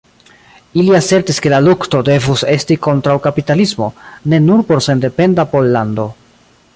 Ili asertis ke la lukto devus esti kontraŭ kapitalismo, ne nur por sendependa Pollando.